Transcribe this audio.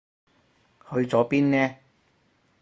去咗邊呢？